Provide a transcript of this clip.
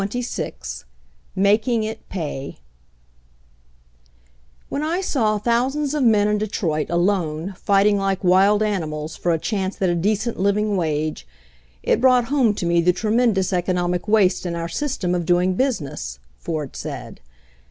CHAPTER XXVI MAKING IT PAY "When I saw thousands of men in Detroit alone fighting like wild animals for a chance at a decent living wage it brought home to me the tre mendous economic waste in our system of doing business," Ford said.